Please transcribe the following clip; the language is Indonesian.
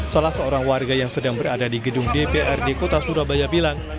salah seorang warga yang sedang berada di gedung dprd kota surabaya bilang